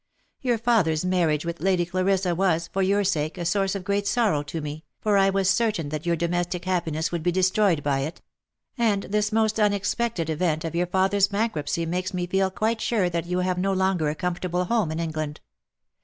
Your father's marriage with Lady Clarissa was, for your sake, a source of great sorrow to me, for I was certain that your domestic happiness would be destroyed by it ; and this most unexpected event of your father's bankruptcy makes 2 b 2 372 THE LIFE AND ADVENTURES me feel quite sure that you have no longer a comfortable home in England.